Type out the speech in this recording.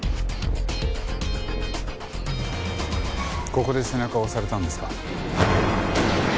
ここで背中を押されたんですか？